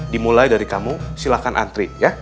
dimulai dari kamu silakan antri ya